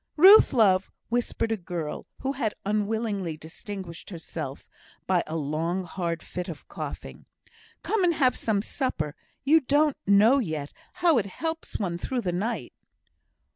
"Ruth, love," whispered a girl who had unwillingly distinguished herself by a long hard fit of coughing, "come and have some supper. You don't know yet how it helps one through the night."